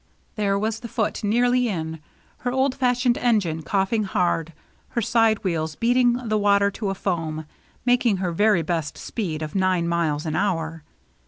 There was the Foote nearly in, her old fashioned engine coughing hard, her side wheels beating the water to a foam, making her very best speed of nine miles an hour.